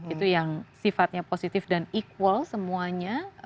itu yang sifatnya positif dan equal semuanya